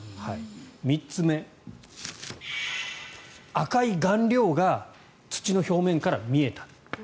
３つ目、赤い顔料が土の表面から見えたと。